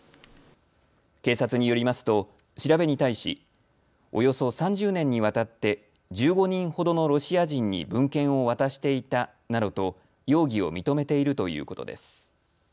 警察によりますと調べに対しおよそ３０年にわたって１５人ほどのロシア人に文献を渡していたなどと容疑を認めているということです。